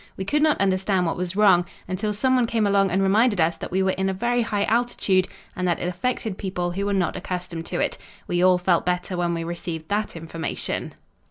We could not understand what was wrong, until some one came along and reminded us that we were in a very high altitude and that it affected people who were not accustomed to it. We all felt better when we received that information."